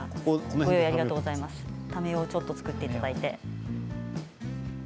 ためをちょっと作っていただいて。